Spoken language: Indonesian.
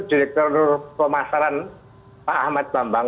direktur pemasaran pak ahmad bambang